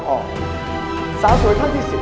๓๓๐ครับนางสาวปริชาธิบุญยืน